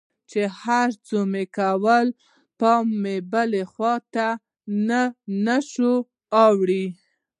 چې هرڅه مې کول پام مې بلې خوا ته نه سو اړولى.